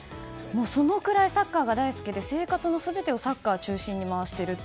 そのくらいサッカーが大好きで生活の全てをサッカー中心に回していると。